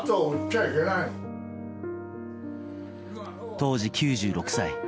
当時９６歳。